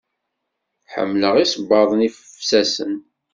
Ḥemmleɣ isebbaḍen ifsasen.